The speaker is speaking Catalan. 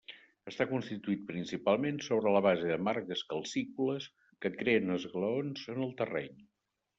Està constituït principalment sobre la base de margues calcícoles, que creen esglaons en el terreny.